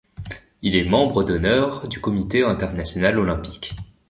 Il est membre d'honneur du comité international olympique.